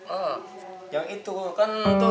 oh yang itu kan